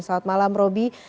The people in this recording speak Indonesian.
selamat malam roby